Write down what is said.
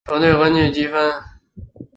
球队根据积分。